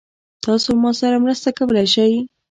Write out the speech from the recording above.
تاسو ما سره مرسته کولی شئ؟